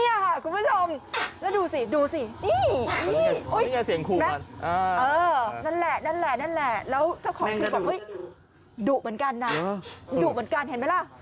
นี่ค่ะคุณผู้ชมแล้วดูสิดูสินี่นั่นแหละแล้วเจ้าของคือแบบดุเหมือนกันนะดุเหมือนกันเห็นไหมล่ะ